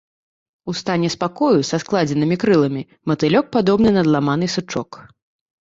У стане спакою са складзенымі крыламі, матылёк падобны на адламаны сучок.